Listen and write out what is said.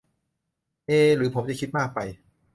เอ หรือผมจะคิดมากไป